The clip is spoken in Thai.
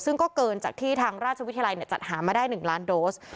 ซึ่งก็เกินจากที่ทางราชวิทยาลัยจัดหามาได้๑ล้านโดส